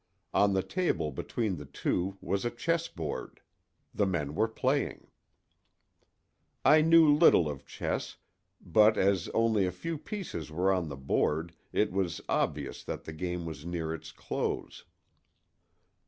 On the table between the two was a chessboard; the men were playing. I knew little of chess, but as only a few pieces were on the board it was obvious that the game was near its close.